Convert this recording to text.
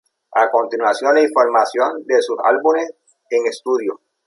A continuación, la información de sus álbumes en estudio.